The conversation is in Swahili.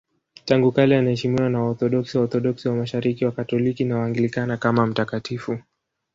Tangu kale anaheshimiwa na Waorthodoksi, Waorthodoksi wa Mashariki, Wakatoliki na Waanglikana kama mtakatifu.